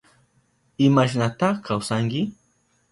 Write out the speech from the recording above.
¿Imashnata kawsanki?